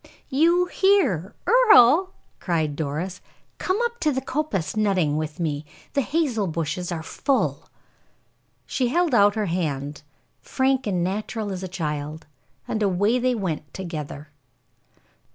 "You here, Earle!" cried Doris. "Come up to the coppice nutting with me; the hazel bushes are full." She held out her hand, frank and natural as a child, and away they went together.